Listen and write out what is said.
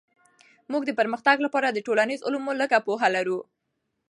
موږ د پرمختګ لپاره د ټولنيزو علومو لږه پوهه لرو.